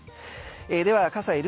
では、傘いる？